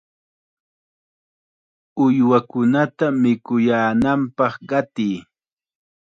¡Uywakunata mikuyaananpaq qatiy!